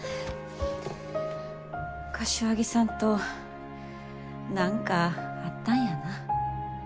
柏木さんと何かあったんやな。